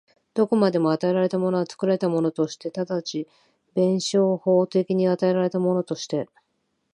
どこまでも与えられたものは作られたものとして、即ち弁証法的に与えられたものとして、